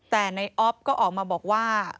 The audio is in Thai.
แต่ในออฟก็ออกมาบอกว่า